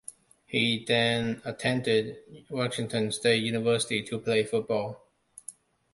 He then attended Washington State University to play football.